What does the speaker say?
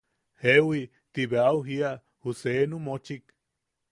–Jeewi– Ti bea au jiía ju seenu mochik.